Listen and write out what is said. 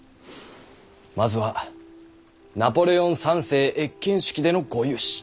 まずはナポレオン三世謁見式でのご勇姿